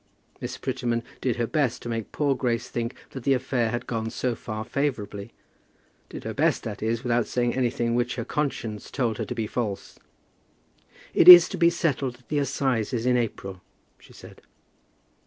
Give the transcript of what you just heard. Miss Prettyman did her best to make poor Grace think that the affair had gone so far favourably, did her best, that is, without saying anything which her conscience told her to be false. "It is to be settled at the assizes in April," she said.